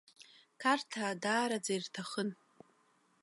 Қарҭаа даараӡа ирҭахын.